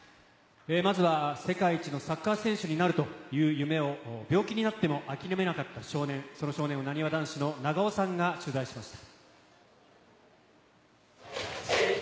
まずは、世界一のサッカー選手になるという夢を、病気になっても諦めなかった少年をなにわ男子の長尾さんが取材しました。